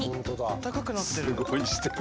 あったかくなってる。